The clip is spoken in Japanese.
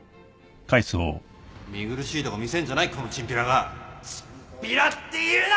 見苦しいとこ見せんじゃないチンピラって言うな！